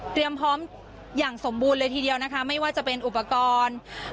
พร้อมอย่างสมบูรณ์เลยทีเดียวนะคะไม่ว่าจะเป็นอุปกรณ์